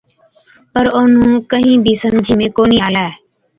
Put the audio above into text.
پَر اونهُون ڪهِين بِي سمجھِي ۾ ڪونهِي آلَي۔